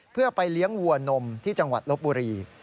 เพื่อไปเลี้ยงวัวนมที่จังหวัดลบบุรี